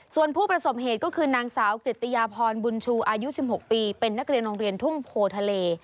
ส่วนผู้ประสบเหตุก็คือนางสาวกริตยาพรบุญชูอายุ๑๖ปีเป็นนักเรียนโรงเรียนทุ่งโพทะเล